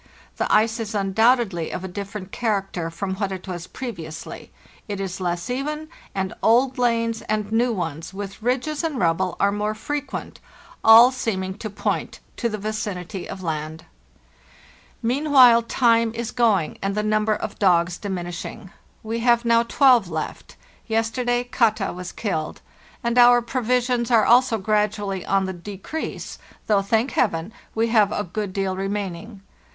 The ice is undoubtedly of a different character from what it was previously: it is less even, and old lanes and new ones, with ridges and rubble, are more frequent—all seeming to point to the vicinity of land. A HARD STRUGGLE 207 "Meanwhile time is going, and the number of dogs diminishing. We have now 12 left; yesterday ' Katta' was killed. And our provisions are also gradually on the decrease, though, thank Heaven, we have a good deal remaining.